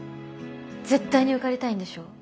絶対に受かりたいんでしょ。